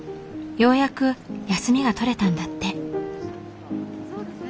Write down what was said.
ようやく休みが取れたんだって。